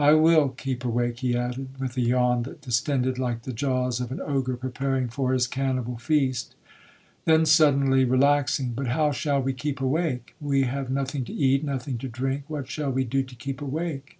'I will keep awake,' he added, with a yawn that distended like the jaws of an Ogre preparing for his cannibal feast. Then suddenly relaxing, 'But how shall we keep awake? We have nothing to eat, nothing to drink, what shall we do to keep awake?'